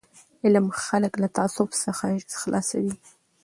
علم خلک له تعصب څخه خلاصوي.